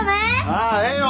ああええよ！